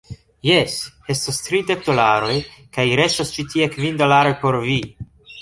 Jes, estas tridek dolaroj, kaj restas ĉi tie kvin dolaroj por vi.